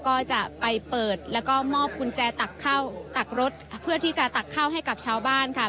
ก็จะไปเปิดแล้วก็มอบกุญแจตักเข้าตักรถเพื่อที่จะตักข้าวให้กับชาวบ้านค่ะ